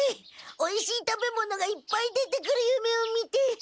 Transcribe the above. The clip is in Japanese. おいしい食べ物がいっぱい出てくるゆめを見て。